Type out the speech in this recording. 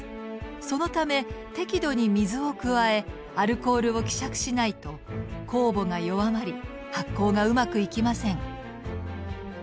そのため適度に水を加えアルコールを希釈しないとこうぼが弱まり発酵がうまくいきません。